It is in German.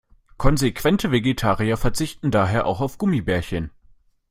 Konsequente Vegetarier verzichten daher auch auf Gummibärchen.